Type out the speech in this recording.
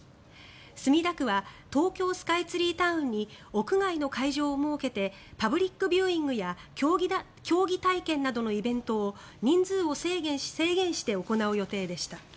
墨田区は東京スカイツリータウンに屋外の会場を設けてパブリックビューイングや競技体験などのイベントを人数を制限して行う予定でした。